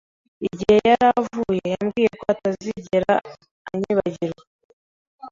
Igihe yari avuye, yambwiye ko atazigera anyibagirwa.